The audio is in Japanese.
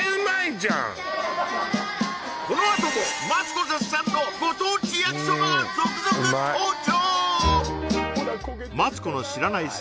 このあともマツコ絶賛のご当地焼きそばが続々登場！